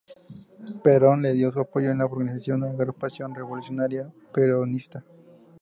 Perón le dio su apoyo en la organización de una agrupación revolucionaria peronista.